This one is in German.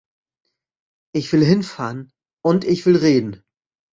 Ich will hinfahren, und ich will reden.